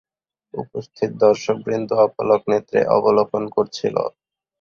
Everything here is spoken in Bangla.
উপস্থিত দর্শকবৃন্দ অপলক নেত্রে অবলোকন করছিল।